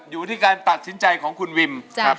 อยู่ที่การตัดสินใจของคุณวิมครับ